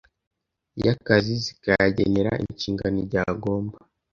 y akazi zikayagenera inshingano igihe agomba